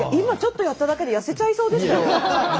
ちょっとやっただけで痩せちゃいそうですよ。